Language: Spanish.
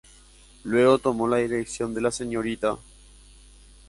Luego tomó la dirección la Srta.